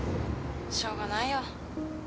しょうがないよ。